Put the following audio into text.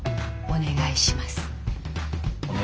お願いします。